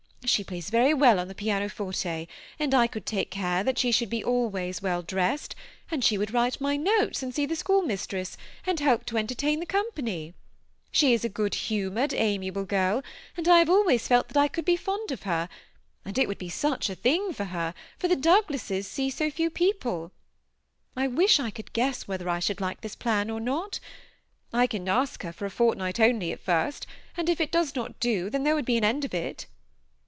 She plays very well on the piano»forte, and I could take care that she should be always well dressed ; and she would write my notes, and see the school mis tress, and help to entertain the company. She is a good humored, amiable girl, and I have always felt that I could be fond of her ; and it would be such a thing for her, for the Douglases see so few people. I wish I could guess whether I should like this plan or not. I can ask her for a fortnight only at first, and if it does not do, then there would be an end of it."